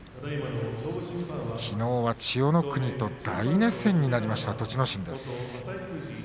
きのうは千代の国と大熱戦になりました、栃ノ心です。